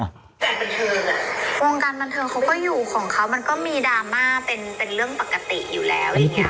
วงการบันเทิงอ่ะวงการบันเทิงเขาก็อยู่ของเขามันก็มีดราม่าเป็นเป็นเรื่องปกติอยู่แล้วอย่างเงี้